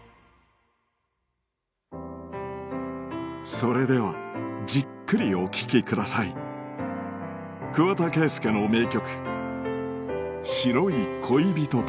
それではじっくりお聴きください桑田佳祐の名曲『白い恋人達』